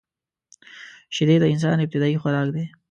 شیدې د انسان ابتدايي خوراک دی